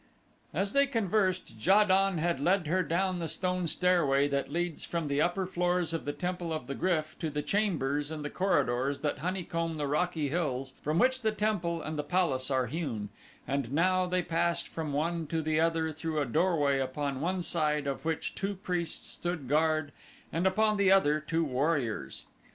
As they conversed Ja don had led her down the stone stairway that leads from the upper floors of the Temple of the Gryf to the chambers and the corridors that honeycomb the rocky hills from which the temple and the palace are hewn and now they passed from one to the other through a doorway upon one side of which two priests stood guard and upon the other two warriors.